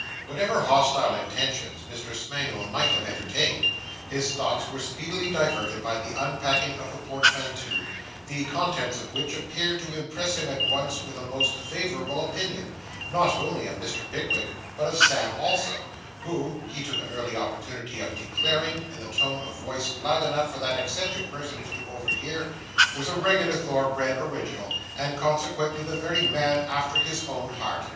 Whatever hostile intentions Mr. Smangle might have entertained, his thoughts were speedily diverted by the unpacking of the portmanteau; the contents of which appeared to impress him at once with a most favourable opinion, not only of Mr. Pickwick, but of Sam also, who, he took an early opportunity of declaring in a tone of voice loud enough for that eccentric personage to overhear, was a regular thoroughbred original, and consequently the very man after his own heart.